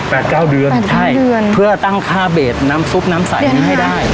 แปดเก้าเดือนใช่เพื่อตั้งค่าเบสน้ำซุปน้ำใสให้ได้